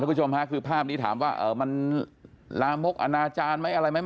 ผู้ชมค่ะคือภาพนี้ถามว่ามันลามกอนาจารย์ไหมอะไรไหม